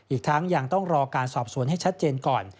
อีกทั้งยังต้องรอการสอบสวนให้ชัดเจนก่อน